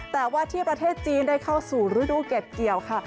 แต่ว่าที่ประเทศจีนได้เข้าสู่ฤดูเก็บเกี่ยวค่ะ